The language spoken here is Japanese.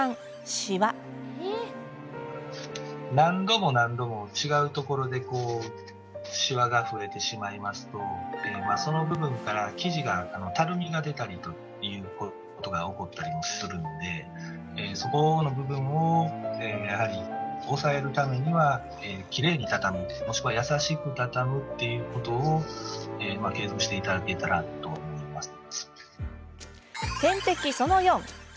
何度も何度も違うところでしわが増えてしまいますとその部分から生地がたるみが出たりということが起こったりもするのでそこの部分をやはり抑えるためにはきれいに畳む、もしくは優しく畳むっていうことを継続していただけたらと思います。